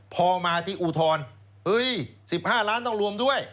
พอมาที่อุทธรณ์๑๕ล้านต้องรวมด้วย